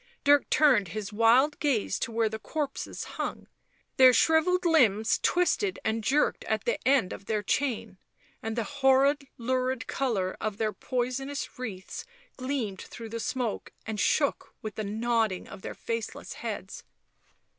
Dirk turned his wild gaze to where the corpses hung. Their shrivelled limbs twisted and jerked at the end of their chain, and the horrid lurid colour of their poisonous wreaths gleamed through the smoke and shook with the nodding of their faceless heads.